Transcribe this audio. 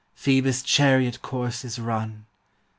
Phoebus' chariot course is run